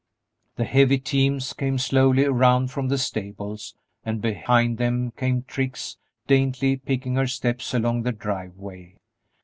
The heavy teams came slowly around from the stables, and behind them came Trix, daintily picking her steps along the driveway.